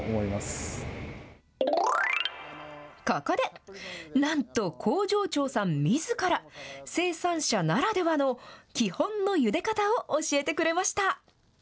ここで、なんと工場長さんみずから、生産者ならではの基本のゆで方を教えてくれました。